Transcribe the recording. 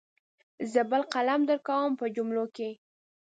زه بل قلم درکوم په جملو کې.